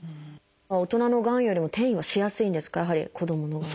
大人のがんよりも転移はしやすいんですかやはり子どものがんは。